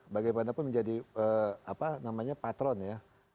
bagaimanapun menjadi apa namanya patron ya